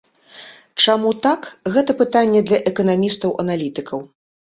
Чаму так, гэта пытанне для эканамістаў-аналітыкаў.